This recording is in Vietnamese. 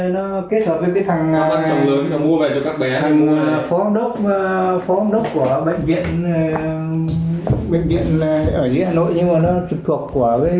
nó kết hợp với cái thằng phóng đốc của bệnh viện